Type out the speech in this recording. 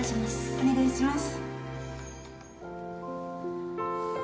お願いします。